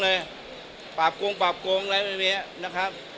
แบบนี้นะครับผมขอร้องเลยปราบกงแบบนี้นะครับ